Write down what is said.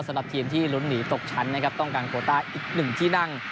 สำหรับทีมที่ลุ้นหนีตกชั้นนะครับต้องการโคต้าอีกหนึ่งที่นั่ง